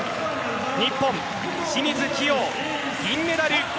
日本、清水希容、銀メダル。